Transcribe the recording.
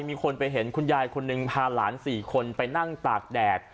มีคนไปเห็นคุณยายคนหนึ่งพาหลาน๔คนไปนั่งตากแดด